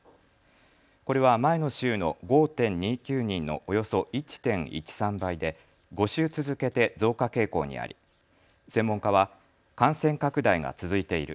これは前の週の５．２９人のおよそ１．１３倍で５週続けて増加傾向にあり専門家は感染拡大が続いている。